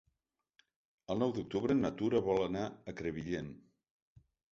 El nou d'octubre na Tura vol anar a Crevillent.